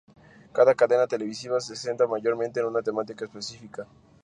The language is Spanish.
Cada cadena televisiva se centra mayormente en una temática específica.